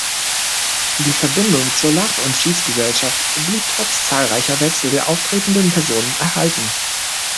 Die Verbindung zur "Lach- und Schießgesellschaft" blieb trotz zahlreicher Wechsel der auftretenden Personen erhalten.